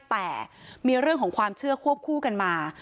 แต่มีเรื่องของความเชื่อควบคู่กันมา